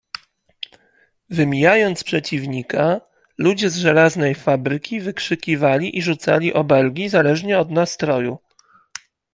"Wymijając przeciwnika, ludzie z żelaznej fabryki wykrzykiwali i rzucali obelgi, zależnie od nastroju."